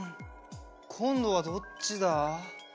こんどはどっちだ？